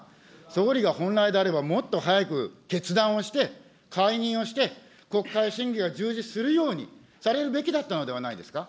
総理が本来であれば、もっと早く決断をして、解任をして、国会審議が充実するようにされるべきだったのではないですか。